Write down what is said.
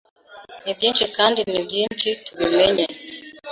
Nibyinshi kandi nibyinshi tubimenye